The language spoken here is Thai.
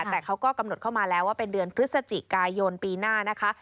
แต่เขาก็กำหนดเข้ามาแล้วว่าเป็นเดือนพฤศจิกายนปีหน้านะคะ